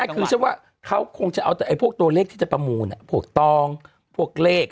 เขาคงจะเอาแต่ไอ้พวกตัวเลขที่จะประมูลพวกตองพวกเลข